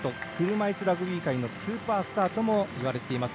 車いすラグビー界のスーパースターといわれます。